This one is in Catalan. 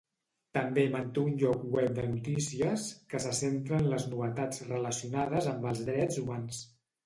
També manté un lloc web de notícies que se centra en les novetats relacionades amb els drets humans.